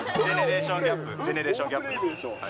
ジェネレーションギャップ。